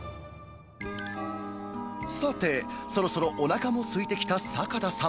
さて、そろそろお腹もすいてきた坂田さん。